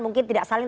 mungkin tidak saling